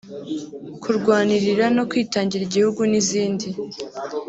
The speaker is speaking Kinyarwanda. kurwanirira no kwitangira igihugu n’izindi